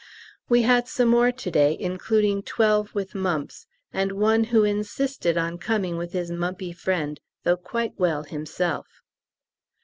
We had some more to day, including twelve with mumps, and one who insisted on coming with his mumpy friend though quite well himself!